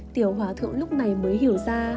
tiểu hòa thượng lúc này mới hiểu ra